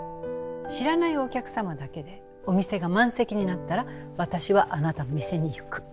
知らないお客様だけでお店が満席になったら私はあなたの店に行く。